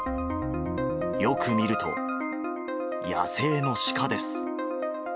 よく見ると、野生のシカです。